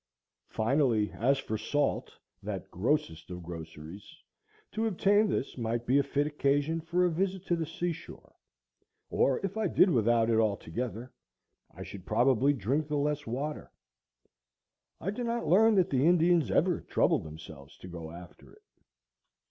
Finally, as for salt, that grossest of groceries, to obtain this might be a fit occasion for a visit to the seashore, or, if I did without it altogether, I should probably drink the less water. I do not learn that the Indians ever troubled themselves to go after it.